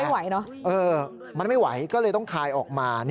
ไม่ไหวเนอะเออมันไม่ไหวก็เลยต้องคลายออกมา